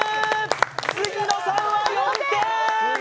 杉野さんは４点。